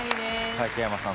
竹山さん